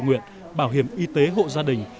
tự nguyện bảo hiểm y tế hộ gia đình